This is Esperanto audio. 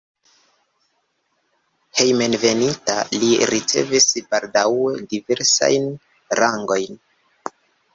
Hejmenveninta li ricevis baldaŭe diversajn rangojn.